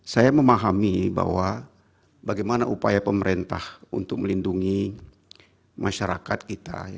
saya memahami bahwa bagaimana upaya pemerintah untuk melindungi masyarakat kita